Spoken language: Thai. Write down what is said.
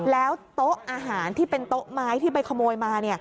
แล้วโต๊ะอาหารที่เป็นโต๊ะไม้ที่ไปขโมยมา